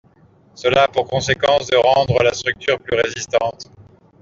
Cela a pour conséquence de rendre la structure plus résistante.